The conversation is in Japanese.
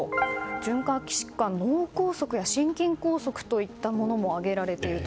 循環器疾患、脳梗塞や心筋梗塞というのも挙げられている。